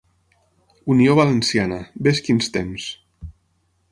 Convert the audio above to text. Unió Valenciana, vés quins temps.